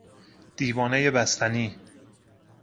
دیوانهی بستنی